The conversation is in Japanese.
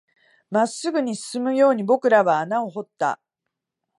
真っ直ぐに進むように僕らは穴を掘った